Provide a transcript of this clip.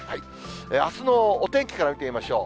あすのお天気から見てみましょう。